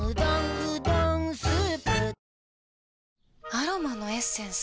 アロマのエッセンス？